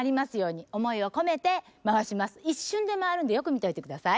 一瞬で回るのでよく見ておいてください。